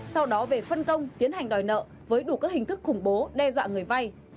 sau đó về phân công tiến hành đòi nợ với đủ các hình thức khủng bố đe dọa người vay